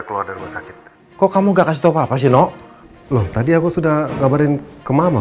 keluar dari rumah sakit kok kamu gak kasih tau apa sih nok loh tadi aku sudah gabarin ke mama